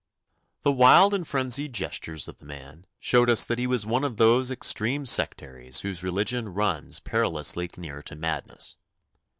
The wild and frenzied gestures of the man showed us that he was one of those extreme sectaries whose religion runs perilously near to madness.